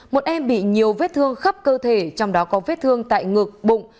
một em bị nhiều vết thương khắp cơ thể trong đó có vết thương tại ngực bụng